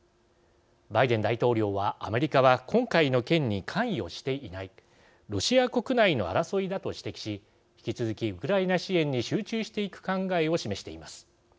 バイデン大統領は、アメリカは今回の件に関与していないロシア国内の争いだと指摘し引き続き、ウクライナ支援に集中していく考えを示しています。